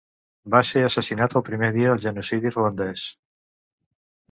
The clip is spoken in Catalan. Va ser assassinat el primer dia del genocidi ruandès.